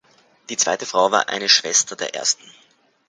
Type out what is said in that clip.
Die zweite Frau war eine Schwester der Ersten.